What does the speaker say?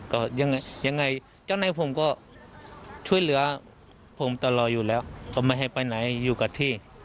ก็ยังไงยังไงเจ้านายผมก็ช่วยเหลือผมตลอดอยู่แล้วก็ไม่ให้ไปไหนอยู่กับที่